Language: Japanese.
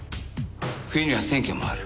冬には選挙もある。